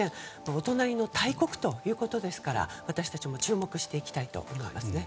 お隣の大国ということですから私たちも注目していきたいと思いますね。